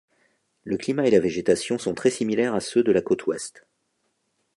Le climat et la végétation sont très similaires à ceux de la côte ouest.